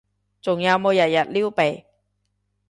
仲有冇日日撩鼻？